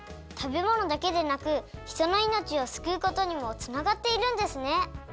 たべものだけでなくひとのいのちをすくうことにもつながっているんですね！